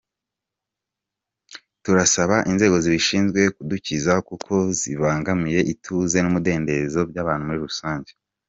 Turasaba inzego zibishinzwe kuzidukiza kuko zibangamiye ituze n’umudendezo by’abantu muri rusange.